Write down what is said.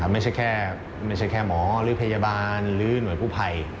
ไม่ใช่แค่หมอหรือพยาบาลหรือหน่วยกู้ภัย